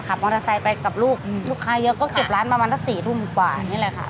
มอเตอร์ไซค์ไปกับลูกลูกค้าเยอะก็เก็บร้านประมาณสัก๔ทุ่มกว่านี่แหละค่ะ